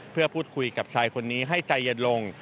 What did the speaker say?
เพื่อพูดคุยกับชายคนนี้ให้ใจเย็นลง